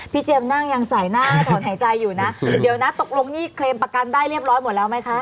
เจมส์นั่งยังใส่หน้าถอนหายใจอยู่นะเดี๋ยวนะตกลงนี่เคลมประกันได้เรียบร้อยหมดแล้วไหมคะ